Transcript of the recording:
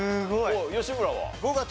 吉村は？